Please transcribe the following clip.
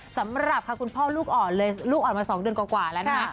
สำหรับค่ะคุณพ่อลูกอ่อนเลยลูกอ่อนมา๒เดือนกว่าแล้วนะคะ